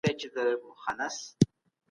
ډاکټر غني علمي څېړنې هم کړې دي.